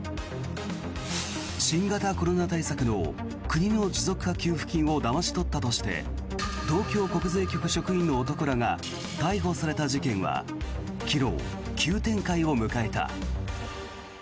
新型コロナ対策の国の持続化給付金をだまし取ったとして東京国税局職員の男らが逮捕された事件は昨日、急展開を迎えた。